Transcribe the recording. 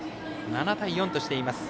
７対４としています。